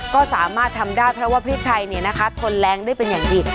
ก็สามารถทำได้เพราะว่าพริกไทยทนแรงได้เป็นอย่างดี